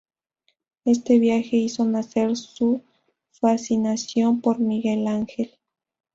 Este viaje hizo nacer su fascinación por Miguel Ángel.